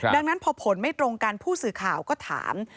ดังนั้นพอผลไม่ตรงกันผู้สื่อข่าวก็ถาม